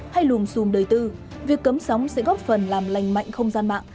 tùm đời tư việc cấm sóng sẽ góp phần làm lành mạnh không gian mạng